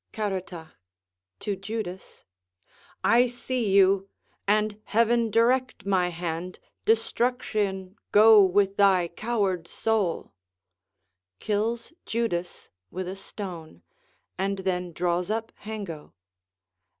Caratach [to Judas] I see you, And Heaven direct my hand! destruction Go with thy coward soul! [_Kills Judas with a stone, and then draws up Hengo.